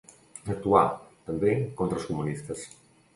Actuà, també, contra els comunistes.